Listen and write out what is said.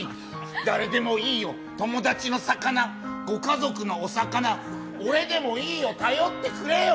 誰でもいいよ、友達の魚、ご家族のお魚、俺でもいいよ頼ってくれよ。